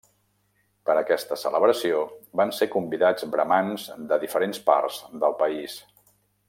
Per aquesta celebració van ser convidats bramans de diferents parts del país.